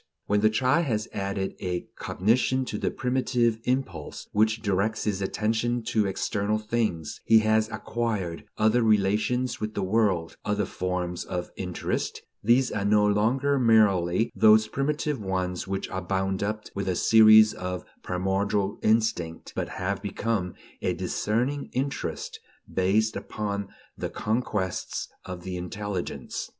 When the child has added a cognition to the primitive impulse which directs his attention to external things, he has acquired other relations with the world, other forms of interest; these are no longer merely those primitive ones which are bound up with a species of primordial instinct, but have become a discerning interest, based upon the conquests of the intelligence.